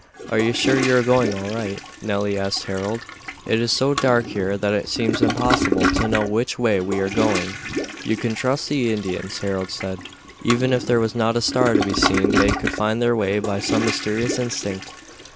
"Are you sure you are going all right?" Nelly asked Harold. "It is so dark here that it seems impossible to know which way we are going." "You can trust the Indians," Harold said. "Even if there was not a star to be seen they could find their way by some mysterious instinct.